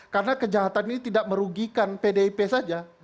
karena kejahatan ini tidak merugikan pdip saja